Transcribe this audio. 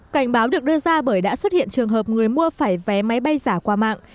cảnh báo được đưa ra bởi đã xuất hiện trường hợp người mua phải vé máy bay giả qua mạng